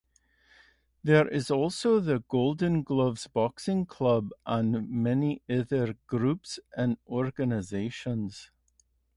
There is also the Golden Gloves Boxing Club and many other groups and organisations.